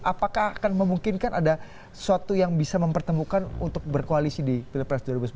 apakah akan memungkinkan ada suatu yang bisa mempertemukan untuk berkoalisi di pilpres dua ribu sembilan belas